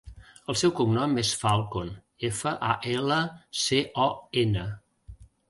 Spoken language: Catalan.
El seu cognom és Falcon: efa, a, ela, ce, o, ena.